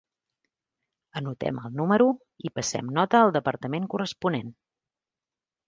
Anotem el número i passem nota al departament corresponent.